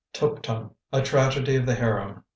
TUPTIM: A TRAGEDY OF THE HAREM.